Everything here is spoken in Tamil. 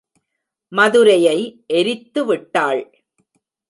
மதுரையை எரித்து விட்டாள்.